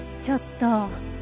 ちょっと。